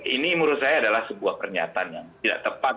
ini menurut saya adalah sebuah pernyataan yang tidak tepat